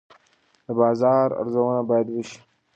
د بازار ارزونه باید وشي.